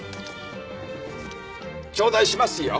ちょうだいしますよ。